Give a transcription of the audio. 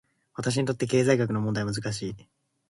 私にとって、経済学の問題は難しい。